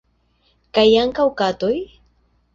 Kaj ankaŭ katoj?